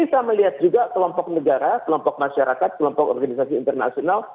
kita melihat juga kelompok negara kelompok masyarakat kelompok organisasi internasional